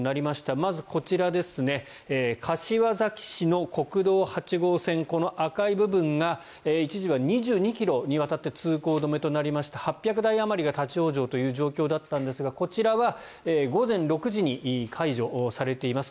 まずこちら、柏崎市の国道８号線この赤い部分が一時は２２ｋｍにわたって通行止めとなりまして８００台あまりが立ち往生という状況だったんですがこちらは午前６時に解除されています。